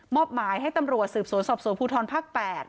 อบหมายให้ตำรวจสืบสวนสอบสวนภูทรภาค๘